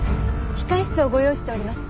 控室をご用意しております。